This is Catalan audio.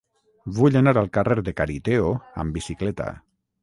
Vull anar al carrer de Cariteo amb bicicleta.